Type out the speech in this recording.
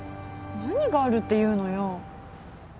何があるっていうのよ。